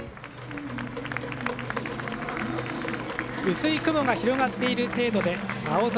薄い雲が広がっている程度で、青空。